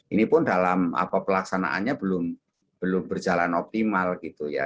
ini pun dalam pelaksanaannya belum berjalan optimal gitu ya